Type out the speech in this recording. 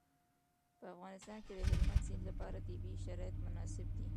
په افغانستان کې د هلمند سیند لپاره طبیعي شرایط مناسب دي.